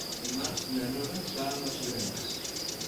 Dimarts na Nora va a Masllorenç.